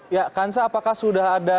ya kansa apakah sudah ada